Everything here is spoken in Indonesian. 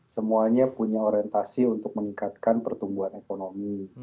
semuanya punya orientasi untuk meningkatkan pertumbuhan ekonomi